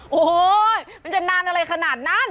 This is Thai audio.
โอ้โหมันจะนานอะไรขนาดนั้น